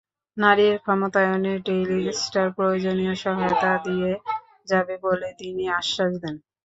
নারীর ক্ষমতায়নে Daily Star প্রয়োজনীয় সহায়তা দিয়ে যাবে বলে তিনি আশ্বাস দেন।